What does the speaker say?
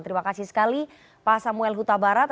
terima kasih sekali pak samuel huta barat